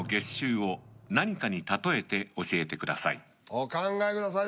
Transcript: お考えください